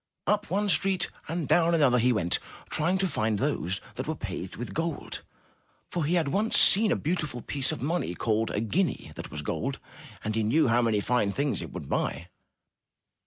Up one street and down another he went, trying to find those that were paved with gold, for he had once seen a beautiful piece of money called a guinea that was gold, and he knew how many fine things it would buy.